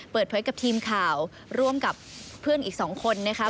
เปิดเผยกับทีมข่าวร่วมกับเพื่อนอีก๒คนนะคะ